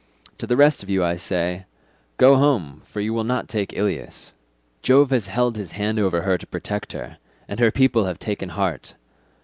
To the rest of you, then, I say, 'Go home, for you will not take Ilius.' Jove has held his hand over her to protect her, and her people have taken heart.